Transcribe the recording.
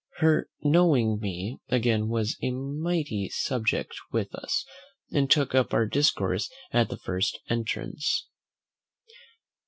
Her knowing me again was a mighty subject with us, and took up our discourse at the first entrance.